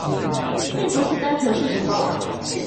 並不是單純事實報導